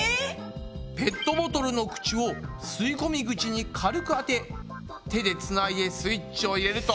ペットボトルの口を吸い込み口に軽くあて手でつないでスイッチを入れると！